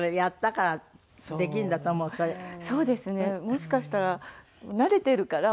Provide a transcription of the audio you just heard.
もしかしたら慣れてるから。